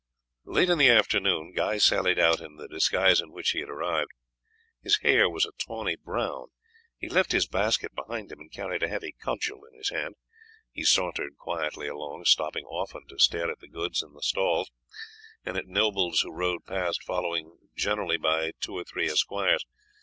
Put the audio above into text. Late in the afternoon Guy sallied out in the disguise in which he had arrived. His hair was a tawny brown. He had left his basket behind him, and carried a heavy cudgel in his hand. He sauntered quietly along, stopping often to stare at the goods on the stalls, and at nobles who rode past followed generally by two or three esquires.